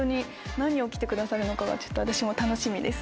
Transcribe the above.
何を着てくださるのかが私も楽しみです。